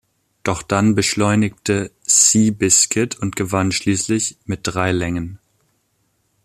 Doch dann beschleunigte Seabiscuit und gewann schließlich mit drei Längen.